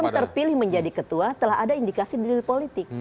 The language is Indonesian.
ketika terpilih menjadi ketua telah ada indikasi diri politik